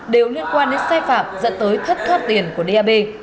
đều liên quan đến sai phạm dẫn tới thất thoát tiền của dab